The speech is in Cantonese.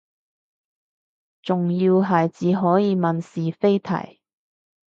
仲要係只可以問是非題